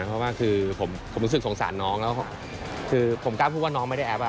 เพราะว่าคือผมรู้สึกสงสารน้องแล้วคือผมกล้าพูดว่าน้องไม่ได้แอป